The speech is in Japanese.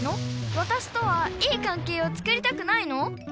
わたしとはいい関係をつくりたくないの？